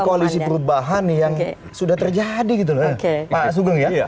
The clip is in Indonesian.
koalisi perubahan yang sudah terjadi gitu loh pak sugeng ya